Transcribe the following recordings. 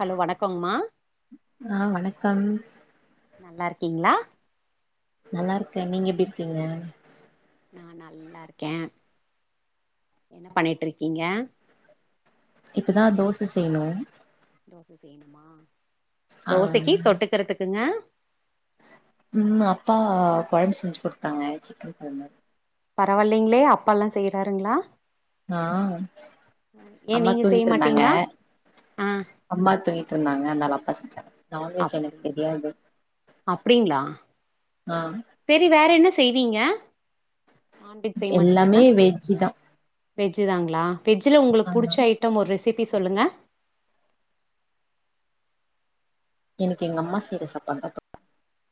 Hello வணக்கங்ம்மா ஆ வணக்கம் நல்லா இருக்கீங்களா நல்லா இருக்கே நீங்க எப்டி இருக்கீங்க நா நல்லா இருக்கே என்ன பண்ணிட்டுருக்கீங்க இப்பதா தோச செய்யணு தோச செய்யணுமா ஆ தோசைக்கி தொட்டுக்குறதுக்குங்க ம் அப்பா கொழம்பு செஞ்சி குடுத்தாங்க சிக்கன் கொழம்பு பரவால்லைங்களே அப்பா எல்லா செய்றாருங்களா ஆ ஏ அம்மா நீங்க செய்ய தூங்கிட் இருந்தாங்க மாட்டீங்களா ஆ அம்மா தூங்கிட்டு இருந்தாங்க அதனால அப்பா செஞ்சாங்க நான்வெஜ் எனக்கு அப்டிங்களா தெரியாது ஆ செரி வேற என்ன செய்வீங்க எல்லாமே வெஜ்தா வெஜ்தாங்களா வெஜ்ல உங்களுக்கு பிடிச்ச ஐட்டம் ஒரு ரெசிபி சொல்லுங்க எனக்கு எங்க அம்மா செய்யுற சாப்பாடுதா பிடிக்கு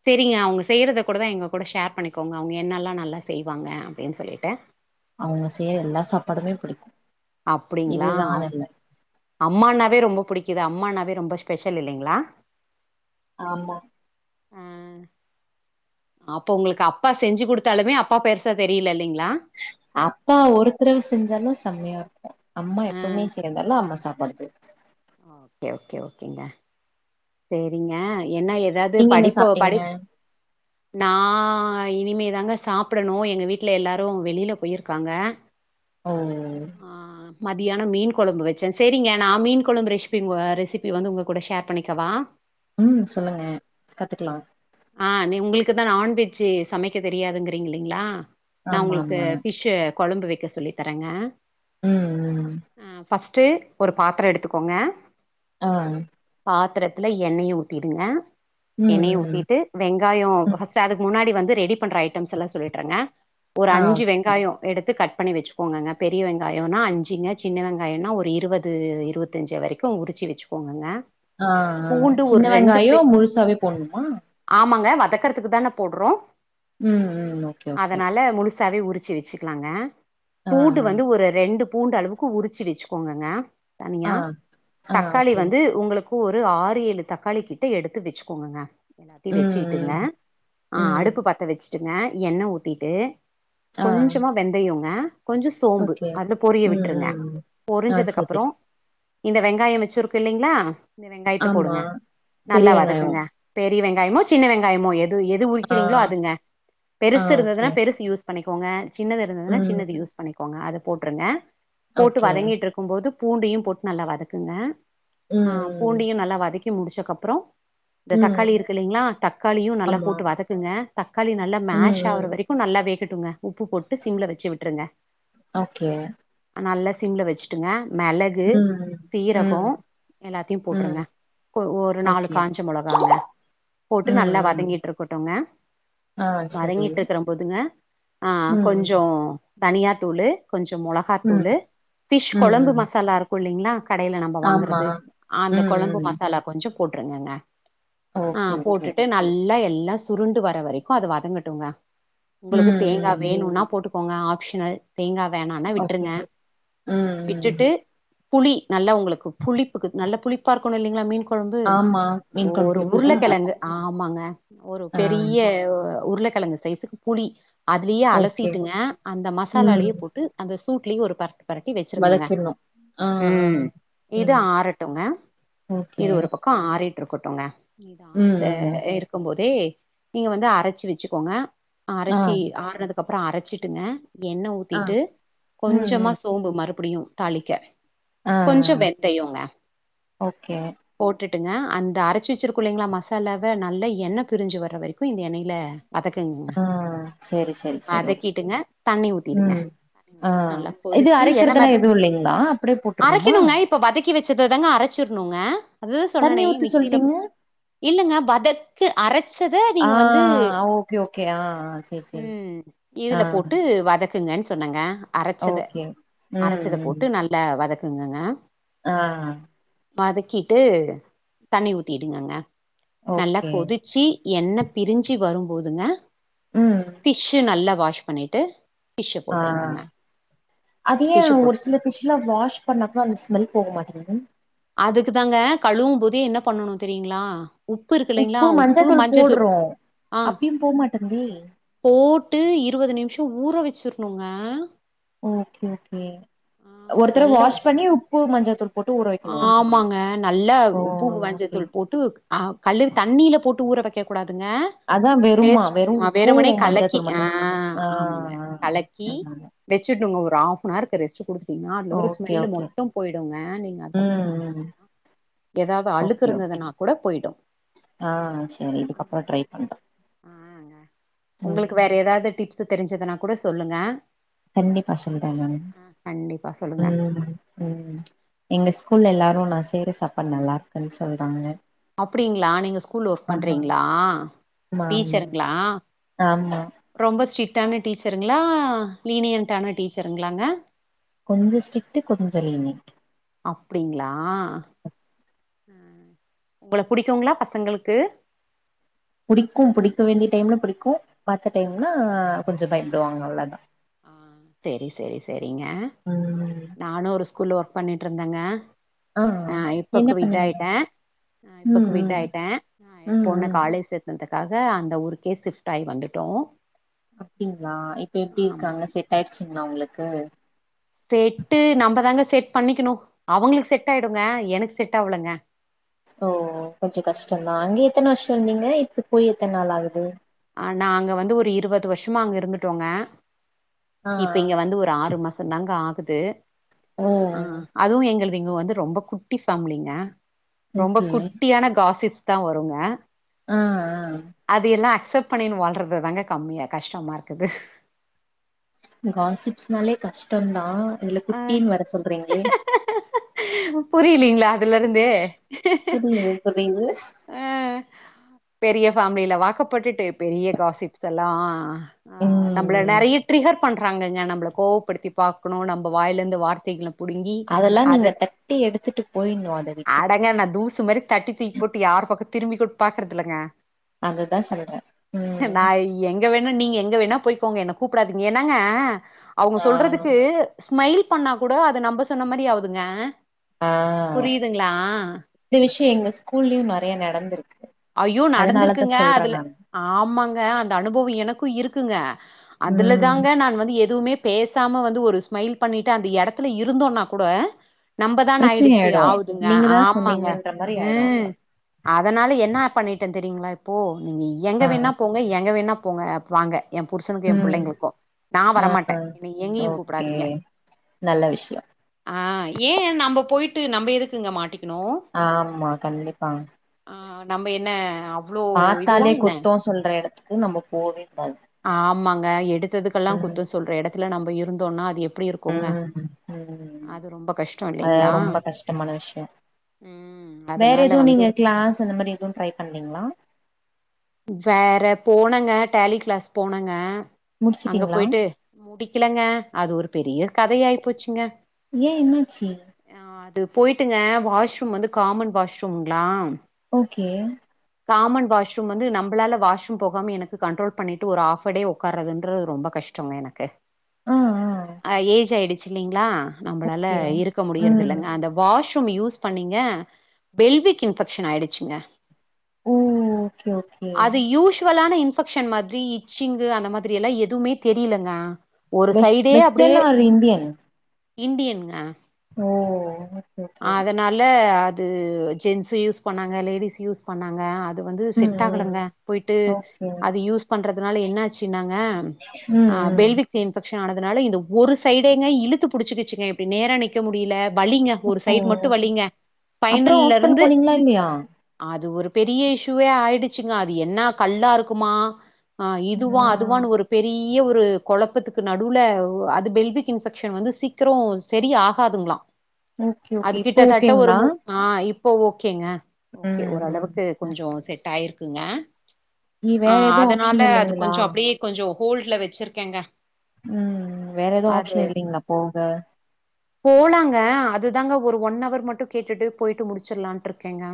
தெரியு அவுங்க செய்யறத கூடதா எங்க கூட ஷேர் பண்ணிக்கோங்க அவுங்க என்னெல்லா நல்லா செய்வாங்க அப்டின் சொல்லிட்டு அவுங்க செய்ற எல்லா சாப்பாடுமே பிடிக்கு அப்டிங்களா அம்மாண்ணாவே ரொம்ப பிடிக்குது அம்மாண்ணாவே ரொம்ப ஸ்பெஷல் இல்லைங்களா ஆமா ஆ அப்ப உங்களுக்கு அப்பா செஞ்சி குடுத்தாலுமே அப்பா பெருசா தெரியல இல்லைங்களா அப்பா ஒருத்தறவ செஞ்சாலு செம்மையா இருக்கு அம்மா ஆ எப்பவுமே செய்யுறதால அம்மா சாப்பாடு பிடிக்கு ஆ ஓகே ஓகே ஓகேங்க சேரிங்க என்ன ஏதாவது நீங்க என்ன படிப்போ சாப்ட்டீங்க படிப் நா இனிமே தாங்க சாப்டணு எங்க வீட்ல எல்லோரு வெளில போயிருக்காங்க ஓ ஆ மதியான மீன் கொழம்பு வச்சே சேரிங்க நா மீன் கொழம்பு ரெசி ரெசிபி வந்து உங்க கூட ஷேர் பண்ணிக்கவா ம் சொல்லுங்க கத்துக்குலா ஆ நீ உங்களுக்குதா நான்வெஜு சமைக்க தெரியாதுங்கறீங்லிங்லா நா ஆமா, உங்களுக்கு ஆமா. ஃபிஷ்ஷு கொழம்பு வைக்க சொல்லி தரேங்க ம், ம். ஃபஸ்ட்டு ஒரு பாத்திரோ எடுத்துக்கோங்க ஆ பாத்ரெத்துல எண்ணெயை ஊத்திடுங்க ம், எண்ணெயை ஊத் ம். ட்டு வெங்காயம் ஃபர்ஸ்டு அதுக்கு திட்டு வெங்காயோ ம். ஃபஸ்ட்டு அதுக்கு முன்னாடி வந்து ரெடி பண்ற ஐட்டம்ஸ் எல்லா சொல்லிற்றங்க ஒரு ஆ அஞ்சு ஓகே. வெங்காயோ எடுத்து கட் பண்ணி வச்சுக்கோங்கங்க பெரிய வெங்காயோனா அஞ்சுங்க சின்ன வெங்காயோனா ஒரு இருபது இருபத்தஞ்சி வரிக் கு உறிச்சி வச்சுக்கோங்கங்க ஆ பூண்டு சின்ன ஒரு ரெண்டு வெங்காயோ பே முழுசாவே போன்ணுமா ஆமாங்க வதக்கறதுக்கு தான போடுறோ ம், ம். Okay, okay. அதனால முழுசாவே உரிச்சு வச் சிகிலாங்க ஆ, பூண்டு வந்து ஒரு ரெண்டு பூண்டு அளவுக்கு உரிச்சி வச்சுக்கோங்கங்க ஆ. தனியா ஆ, ஆ தக்காளி ஓகே. வந்து உங்களுக் கு ஒரு ஆறு ஏழு தக்காளி கிட்ட எடுத்து வச்சுக்கோங்கங்க எல்லாத்தையு ம், வச்சுக்கிட்டுங்க ம். ஆ ம். அடுப்பு பத்த வச்சுட்டுங்க எண்ணெய ஊத்திட்டு ஆ கொஞ்சமா வெந்தயோங்க கொஞ்சோ சோம்பு ஓகே. அத பொரிய ம், விட்டுருங்க ம். ஆ பொரிஞ்சதுக்கு சரி. அப்றோ இந்த வெங்காயோ வச்சுருக்கு இல்லிங்களா இந்த வெங்காயத்த ஆமா. போடுங்க பெரிய நல்லா வெங்காயம். வதக்குங்க பெரிய வெங்காயமோ சின்ன வெங்காயமோ எது எது ஆ, உரிக்கிறீங்களோ அதுங்க ஆ பெருசு ஓகே. இருந்துனா பெருசு யூஸ் பண்ணிக்கோங்க சின்னது இருந்ததுனா ம். சின்னது யூஸ் பண்ணிக்கோங்க அது போட்ருங்க போட்டு ஓகே. வதங்கிட்டு இருக் கும்போது பூண்டையு போட்டு நல்லா வதக்குங்க ம் ம். பூண்டியு நல்லா வதக்கி முடிச்சதுக்கப்றோ தக்காளி ம். இருக்கு இல்லிங்களா தக்காளியு நல்லா ஆமா. போட்டு வதக்குங்க தக்காளி நல்லா ம், மேஷ் ம். ஆகுவு வரைக் கு நல்லா வேகட்டுங்க உப்பு போட்டு சிம்ல வச்சு விட்டுருங்க [unintelligible] நல்ல சிம்ல வச்சுட்டுங்க மெளகு ம், ம். சீரகோ ம். எல்லாத்தயு போட்டுருங்க ம். ஒரு நாலு ஓகே. காஞ்ச மொளகாங்க போட்டு ம் நல்லா ம் வதங்கிட்டுருக்குட்டுங்க ஆ சரி வதங்கிட்டுருக்கிற போதுங்க ஆ கொஞ்சோ ம் அ அ தன்யா தூளு கொஞ்சோ மொளகா ம் ம் தூளு ஃபிஷ் ம் கொழம்பு ம் மசாலா இருக்குல்லிங்களா கடையில நம்ம ஆமா வாங்குறது அந்த ம் கொழம்பு ம் மசாலா கொஞ்சோ போட்ருங்கங்க ஆ ஓகே ஓகே போட்டுட்டு நல்லா எல்லா சுருண்டு வர வரைக்கு அது வதங்கட்டுங்க ம் உங்களுக்கு தேங்கா ம் வேணுனா போட்டுக்கோங்க ஆப்ஷ்னல் தேங்கா வேணானா ஓகே விட்டுருங்க ம் ம் விட்டுட்டு புளி நல்ல உங்களுக்கு புளிப்புக்கு நல்ல புளிப்பா இருக்கணுல்லிங்களா மீன் கொழம்பு ஆமா மீன் கொழம்பு ஓரு புளிப்பு இருந்தா உருளக்கிழங்கு நல்லாருக்கும் ஆமாங்க ஒரு ஆ பெரிய உருளக்கிழங்கு சைசுக்கு புளி அதுலியே ஓகே அலசிட்டுங்க அந்த ம் மசாலாலேயே போட்டு அந்த சூட்லி ஒரு பெரட் பெரட்டி வச்சுருங்கங்க வதக்கிடணும் ஆ ஆ உம் இது ம் ஆரட்டுங்க ஓகே இது ஒரு பக் பக்கோ ஆறிட்டுருக்கட்டுங்க இது ம் ஆறிட்டு ம் இருக் இருக்கு போதே நீங்க வந்து அரைச்சி வச்சுக்கோங்க ஆ அரைச்சி ஆறுனது அதுக்கப்றோ அரைச்சிட்டுங்க எண்ணெய் ஆ ஊத்திட்டு ம் கொஞ்சமா ம் சோம்பு மறுபடியு தாளிக்க ஆ கொஞ்சோ ஆ. வெந்தையோங்க ஓகே போட்டுங்க அந்த அரைச்சி வச்சிருக்குளைங்களா மசாலாவ நல்ல எண்ண பிரி்ஞ்சு வர்ற வரைக்கு இந்த எண்ணயில வதக்குங்க ஆ சரி சரி சரி ஓகே வதக்கிட்டுங்க தண்ணி ஊத்திடுங்க ம் ஆ நல்லா இது கொதிச்சு எண்ண அரைக்கிறதெல்லாம் எதுவும் மெதந்து இல்லைங்களா அப்படியே போட்டுருணுமா அரைக்கணுங்க இப்ப இப்ப வதக்கி வச்சதுதாங்க அரைச்சருணுங்க அதுதா தண்ணி சொன்னேனே ஊத்தி மிஸ்சில சொல்ட்டீங்க இல்லங்க வதக்கு அரைச்சத ஆ நீங்க வந்து ஓகே, ஓகே. ஆ, ஆ. சரி, சரி. ம் ஆ, இதுல போட்டு வதக்குங்கன்னு சொன்னங்க அரைச்சத ஓகே. ம், அரைச்சத போட்டு நல் இல்ல வதக்குங்கங்க இல ஆஹ் ஆ வதக்கிட்டு தண்ணி ஊத்திடுங்க நல்லா ஓகே. கொதி ச்சு எண்ண பிரிஞ்சு வரும் போதுங்க ம். பிஷ் நல்லா வாஷ் பண்ணிட்டு ஃபிஷ்ஷ ஆஹ் போட்டுருங்கங்க அது டிஷ்யூ ஏன் ஒரு போட்டு சில ஃபிஷ் நல்லா வாஷ் பண்ணா பா அந்த ஸ்மெல் போக மாட்டேங்கது அதுக்குதாங்க கழுவு போதே என்ன பண்ணனு தெரியுங்களா உப்பு இருக்குலிங்களா உப்பு மஞ்சத்தூள் ஆ அப்பயும் போ மாட்டேங்குதே! போட்டு இருவது நிமிஷ ஊற வச்சிருணுங்க ஓகே ஓகே ஒருத்தட நல்லா வாஷ் பண்ணி உப்பு மஞ்சத்தூள் போட்டு ஊற வைக்கணும். ஆமாங்க நல்லா ஓ! உப்பு ஓகே. மஞ்சத்தூள் போட்டு ஆ கல்லு தண்ணில போட்டு ஊற வைக்க கூடாதுங்க அதான் வெறுமா? பேஸ்ட் வெறும் உப்பும், வெருமனே கலக்கி மஞ்சாத்தூள் ஆ மட்டும். ஆ, ஆமாங்க ஆ. கலக்கி அதாங்க. வச்சுடுங்க ஒரு ஹஃப் நவர் ரெஸ்ட் கொடுத்துட்டீங்கன்னா அதில் வரு ஓகே, ஸ்மெல் ஓகே. மொத்த போயிடுங்க நீங்க ம், அப்த ம். எதாவது அழுக்கு இருந்ததுனா கூட போய்டு ஆஹ் சேரி இதுக்கப்புற ட்ரை பண்றே ஆ ம் உங்களுக்கு வேற ஏதாவது டிப்ஸ் தெரிஞ்சதுனா கூட சொல்லுங்க கண்டிப்பா சொல்றேங்க ஆ கண்டிப்பா சொல்லுங்க ம் ம் எங்க ஸ்கூல்ல எல்லாரு நா செய்ற சாப்பாடு நல்லா இருக்குன்னு சொல்றாங்க அப்டிங்களா நீங்க ஸ்கூல் ஒர்க் ஆமா பண்றீங்களா ஆமா ஆமா டீச்சருங்களா ஆமா ரொம்ப ஸ்ட்ரிட்டான டீச்சருங்களா லீனியன்டானா டீச்சருங்களாங்க கொஞ்ஜோ ஸ்ரிட் கொஞ்ஜோ லிமிட் அப்டிங்களா ஆ ம் உங்கள புடிக்குங்களா பசங்களுக்கு புடிக்கு புடிக்க வேண்டிய டைம்லே புடிக்கு மாத்த டைம்னா கொஞ்சோ பயப்படுவாங்க அவ்ளவுதா ஆ சேரி சேரி சேரிங்க ம் ம் நானு ஒரு ஸ்கூல்ல ஒர்க் பண்ணிட்ருந்தேங்க ஆ இப்ப என்ன க்குவிட் பண்ணீங்க ஆயிட்டே ஆ இப்ப ம் க்விட் ம் ஆயிட்டே ஏ ம் பொண்ணு ம் காலேஜ் சேத் அந்தகாக அந்த ஊருக்கே ஷிப்ட் ஆகி வந்துட்டோ அப்டிங்களா இப்ப எப்படி ஆமா இருக்காங்க செட் ஆயிடுச்சுங்களா அவங்களுக்கு செட்டு நம்ம தாங்க செட் பண்ணிக்கணு அவங்களுக்கு செட் ஆயிடுங்க எனக்கு செட் ஆ ஆவ்லேங்க ஓ கொஞ்சோ கஷ்ட தா அங்க எத்தன வருஷ இருந்தீங்க இப்ப போய் எத்தன நாள் ஆகுது ஆ நா அங்க வந்து ஒரு இருபது வருஷமா அங்க இருந்துட்டோங்க ஆ இப்ப இங்க வந்து ஒரு ஆறு மாச ந்தங்க ஆகுது ஓ ஆஹ அதுவு எங்களுது இங்க வந்து ரொம்ப குட்டி ஃபேமலிங்க ரொம்ப ஓகே குட்டியான காசிப்ஸ் தா வருங்க ஆ அது எல்லா அக்செப் பண்ணின்னு வாழ்றதுது தாங்க கம்மியா கஷ்டமா இருக்குது காசிப்ஸ்னாலே கஷ்ட தா இதுல குட்டின்னு வேர சொல்றீங்லே புரிலீங்ளா அதுல இருந்து புரிது புரிது அ பெரிய ஃபேம்லில வாக்கப்பட்டுட்டு பெரிய காசிப்ஸ் எல்லா ஆ ஆ ம் நம்ல ம் நறைய ட்ரிகர் பண்றாங்கக நம்பல கோவப்படுத்தி பாக்கணு நம்ப வாயில இருந்து நறைய வார்த்தைகள புடுங்கி அதெல்லா நீங்க அத தட்டி எடுத்துட்டு போயிட்ணு அத விட்டு அடங்க நா தூசு மாரி தட்டி தூக்கி போட்டு யார் பக்கக திரும்பி கூ பாக்குறதில்லங்க அதுதா சொல்ற நா ம் எங்க வேணா நீங்க எங்க வேணா போய்க்கோங்க என்ன கூப்டாதீங்க ஏன்னாங்க அவுங்க ஆ சொல்றதுக்கு ஸ்மைல் பண்ணா கூட அத நம்ம சொன்ன மாதிரி ஆ ஊதுங்க ஆ இந்த விஷ்சி எங்க ஸ்கூல்லியு நறைய நடந்துருக்கு ஐயோ நடந்துருக்குங்க அதுல ஆமாங்க அந்த அனுபவோ எனக்கு இருக்குங்க அதுல ம் தாங்க நான் வந்து எதுவுமே பேசாம வந்து ஒரு ஸ்மைல் பண்ணிட்டு அந்த யடத்துல இருந்தோன்னா கூட நம்பதான் பிரச்சனை ஆயிடுச்சு ஆயிடு ஆவுதுங்க நீங்க தா ஆமாங்க சொன்னீங்கன்ற மாரி ய ஆயிடு அங்க அதனால என்ன பண்ணிட்ட தெரியுங்களா இப் போ நீங்க எங்க ஆ வேணா போங்க எங்க வேணா போங்க ப் வாங்க ஏ புருஷனுக்கு ஏ ம் புள்ளைங்களுக்கு நான் ஆ வரமாட்ட ஆ என்ன எங்கயு ஓகே கூப்படாதீங்க நல்ல விஷ்யோ ஆ ஏ நம்ம போயிட்டு நம்ம எதுக்குங்க மாட்டிக்கணு ஆமா கண்டிப்பாங் ஆ நம்ம என்ன அம் பாத்தாலே குத்தோ சொல்ற எடத்துக்கு நம்ம போவே குடாது ஆமாங்க எடுத்ததுக்கெல்லா குத்தோ சொல்ற எடத்துல நம்ம இருந்தோனா அது எப்டி இருக்குங்க ம் ம் அது ரொம்ப கஷ்டோ அத இல்லைங்களா ரொம்ப கஷ்டமான விஷ்யோம் ம் வேற அதனால எதுவு வந்து நீங்க கிளாஸ் அந்த மாரி எதும் ட்ரை பண்லைங்ளா வேற போனங்க டேலி கிளாஸ் போனங்க அங்க முடிச்சுட்டீங்களா போயிட்டு முடிக்கலங்க அது ஒரு பெரிய கதைாயாயி போச்சுங்க ஏ என்னச்சு ஆ அது போயிட்டுங்க வாஷ்ரூம் வந்து காமன் வாஷ்ரூம்ங்ளா ஓகே காமன் வாஷ் பம் வந்து நம்மளால வாஷ்ரூம் போகாம எனக்கு கண்ட்ரோல் பண்ணிட்டு ஒரு ஹஃப் அ டே உக்கார்றதுன்றது ரொம்ப கஷ்டோங்க எனக்கு ஆ ஆ அ ஏஜ் ஆயிடுச்சு இல்லிங்களா நம்பளால ஓகே இருக்க முடியறத ம் இல்லங்க அந்த வாஷ் டும் யூஸ் பண்ணீங்க பெல்விக் இன்ஃபெக்ஷன் ஆயிடுச்சுங்க ஓ ஓகே ஓகே அது யூஷுவலான இன்ஃபெக்ஷன் மாதிரி இச்சிங்கு அந்த மாதிரி எல்லாம் எதுவுமே தெரியலங்க ஒரு வெஸ் சைடே அப்படியே வெஸ்டர்ன் ஆர் இந்தியன் இண்டியனுங்க ஓ ஓகே ஓகே அதனால அது ஜென்ஸ் யூஸ் பண்ணாங்க லேடிஸ் யூஸ் பண்ணாங்க அ து வந்து ம் செட் ம் ஆகலங்க போயிட்டு ஓகே அது யூஸ் பண்றதுனால என்ன ஆச்சினாங்க ம் ஆ ம் பெல்விக் தி இன்பெக்ஷன் ஆனதுனால இந்த ஒரு சைடேங்க இழுத்து புடிச்சுச்சுங்க இப்டி நேரா நிக்க முடியில வலிங்க ஒரு ஸ் ஓ சைடு மட்டு வலிங்க அப்றோ ஹாஸ்பிட்டல் ஸ்பைனல்லருந்து போனீங்களா இல்லையா அது ஒரு பெரிய இஷுவே ஆயிடுச்சுங்க அது என்ன கல்லா இருக்குமா ஆ இதுவா ஆ அதுவானு ஒரு பெரிய ஒரு கொழப்பத்துக்கு நடுவுல அது பெல்விக் இன்ஃபெக்ஷன் வந்து சீக்கிரோ சரி ஆகாதுங்களா ஓகே அது ஓகே இப்போ கிட்டத்தட்ட ஒரு ஓகேங்களா மு ஆ இப்போ ஓகேங்க ஓகே ம் ஓரளவுக்கு ம் கொஞ்சோ செட் ஆயிருக்குங்க இ ஆ வேற எதுவு அதனால ஆப்ஷன் அது இல்லைங்களா கொஞ்சொ அப்டியே கொஞ்சொ ஹோல்ட்ல வெச்சிருக்கேங்க ம் வேற எதவு ஆப்ஷன் இல்லைங்களா போக போலாங்க அதுதாங்க ஒரு ஒன் அவர் மட்டு கேட்டுட்டு போயிட்டு முடிச்சிடலான்ட்டு இருக்கேங்க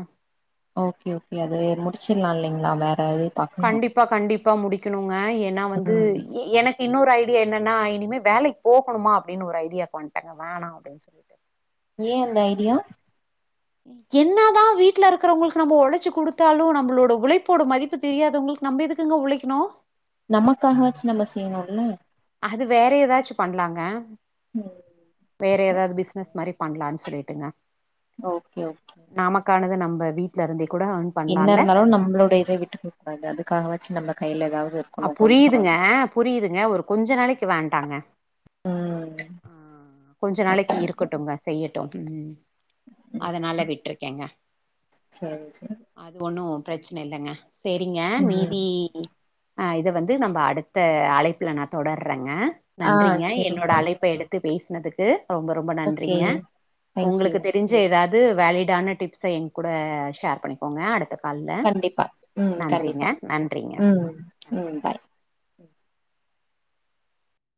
ஓகே ஓகே அது முடிச்சிடலா இல்லைங்களா வேற எது கண்டிப்பா கண்டிப்பா முடிக்கணுங்க ஏன்னா வந்து ம் இ எனக் இன்னொரு ஐடியா என்னன்னா இனிமே வேலைக்கு போகணுமா அப்டின்னு ஒரு ஐடியாக்கு வந்ட்டங்க வேணா அப்டின்னு சொல்லிட்டு ஏ அந்த ஐடியா என்ன தா வீட்டுல இருக்குறவங்களுக்கு நம்ப ஒழச்சு குடுத்தாலு நம்மளோட உழைப்போட மதிப்பு தெரியாதவங்களுக் நம்ப எதுக்குங்க உழைக்கணு நமக்காக ஆச்சு நம்ம செய்யணுல அது வேற ஏதாச்சு பண்லாங்க ம் வேற ஏதாது ஓகே பிசினஸ் மாரி பண்லான்னு சொல்லிட்டுங்க ஓகே ஓகே நாமக்கானது நம்ப வீட்ல இருந்தே கூட ஆன் என்ன இருந்தாலு நம்ளோட இத வீட்டுக்குடுக் கூடாது அதுக வாச்சு நம்ம கையில ஏதாவது இரு அ புரியுதுங்க புரியுதுங்க ஒரு கொஞ்ச நாளைக்கு வேண்டாங்க ம் ஆ கொஞ்ச ஓகே நாளைக்கு ஓகே இருக்கட்டுங்க செய்யட்டு ம் அதனால விட்ருக்கேங்க சரி சரி அது ஒன்னு பிரச்சன இல்லங்க சரிங்க ம் மீதி ஆ இத வந்து நம்ப அடுத்த அழைப்புல நா தொடர்றேங்க ஆ நன்றிங்க என்னோட சேரிங்க ஓகே அழைப்ப எடுத் து பேசுனதுக்கு ரொம்ப ரொம்ப ஓகே நன்றிங்க தேங்க்யூ ஒங்களுக்கு தெரிஞ் ச ஏதாது வேலிடான டிப்ஸ எ கூட ஷேர் பண்ணிக்கோங்க அடுத்த கால்ல கண்டிப்பா ம் நன்றிங்க கண்டிப்பா நன்றிங்க ம் நன் ம் பாய்